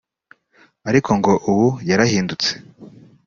ariko ngo ubu yarahindutse